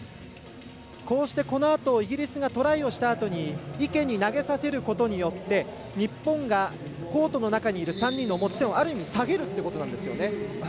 こうしてこのあとイギリスがトライをしたあとに池に投げさせることによって日本がコートの中にいる３人の持ち点をある意味下げるってことなんですよね。